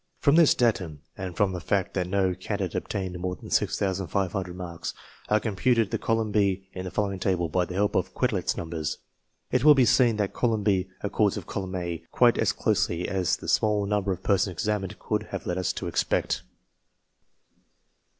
From this datum, and from the fact that no candidate obtained more than 6,500 marks, I computed the column B in the following table, by the help of Quetelet's numbers. It will be seen that column B accords with column A quite as closely as the small number of persons examined could have led us to expect.